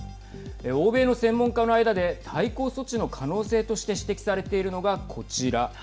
欧米の専門家の間で対抗措置の可能性として指摘されているのが、こちら。